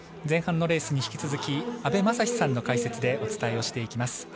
前半のレースに引き続き阿部雅司さんの解説でお伝えをしていきます。